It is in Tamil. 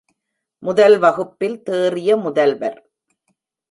முதல் வகுப்பில் தேறிய முதல்வர்.